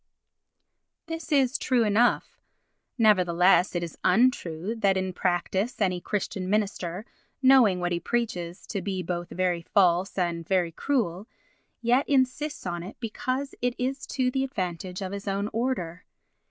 This is true enough. Nevertheless it is untrue that in practice any Christian minister, knowing what he preaches to be both very false and very cruel, yet insists on it because it is to the advantage of his own order.